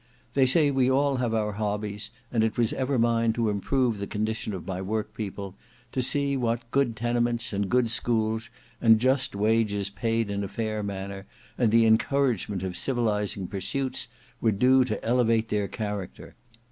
They say we all have our hobbies; and it was ever mine to improve the condition of my workpeople, to see what good tenements and good schools and just wages paid in a fair manner, and the encouragement of civilizing pursuits, would do to elevate their character.